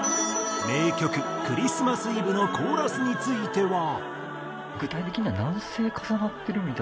名曲『クリスマス・イブ』のコーラスについては。